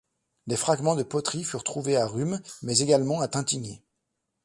Des fragments de poteries furent trouvés à Rumes mais également à Taintignies.